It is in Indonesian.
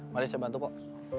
mari saya bantu pok